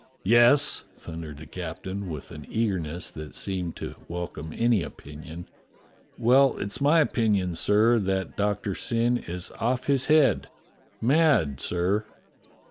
"Yes?" thundered the captain, with an eagerness that seemed to welcome any opinion. "— well, it's my opinion, sir, that Doctor Syn is off his head — mad, sir."